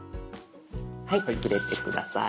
はい入れて下さい。